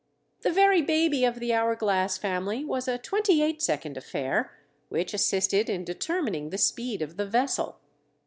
The very baby of the hour glass family was a twenty eight second affair which assisted in determining the speed of the vessel.